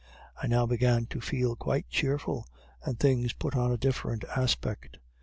I now began to feel quite cheerful, and things put on a different aspect.